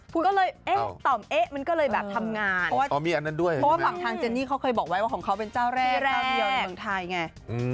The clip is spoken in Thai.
เพราะว่าบางทางเจนนี่เค้าเคยบอกไว้ว่าของเค้าเป็นเจ้าแรกเจ้าเดียวในเมืองไทยไง